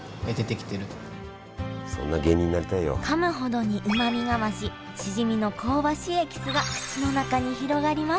かむほどにうまみが増ししじみの香ばしいエキスが口の中に広がります